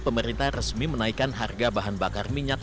pemerintah resmi menaikkan harga bahan bakar minyak